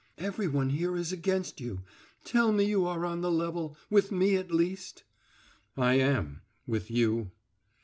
"Every one here is against you. Tell me you are on the level with me, at least." "I am with you."